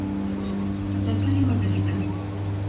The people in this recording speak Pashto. اټکلي ودرېدل.